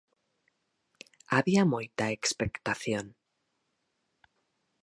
Había moita expectación.